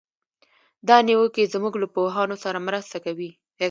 دا نیوکې زموږ له پوهانو سره مرسته کوي.